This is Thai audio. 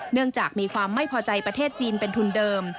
เนื่องจากมีความไม่พอใจประเทศจีนเป็นทุนเดิม